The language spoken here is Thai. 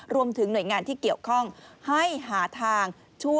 รวมถึงหน่วยงานที่เกี่ยวข้องให้หาทางช่วย